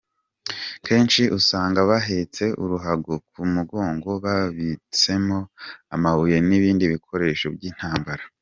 Kenshi usanga bahetse uruhago ku mugongo babitsemo amabuye n’ibindi bikoresho by ‘intambara.